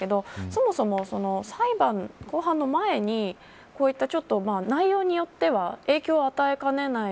そもそも、裁判、公判の前にこういった内容によっては影響を与えかねない